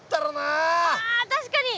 ああ確かに！